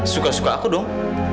suka suka aku dong